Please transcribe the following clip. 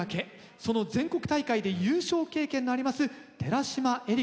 その全国大会で優勝経験のあります寺島絵里佳さんで。